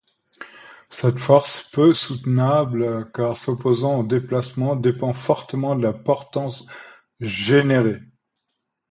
Cette force, peu souhaitable car s’opposant au déplacement, dépend fortement de la portance générée.